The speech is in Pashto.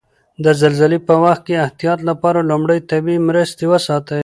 د زلزلې په وخت د احتیاط لپاره لومړي طبي مرستې وساتئ.